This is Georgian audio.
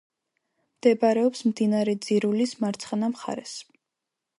მდებარეობს მდინარე ძირულის მარცხენა მხარეს.